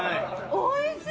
おいしい！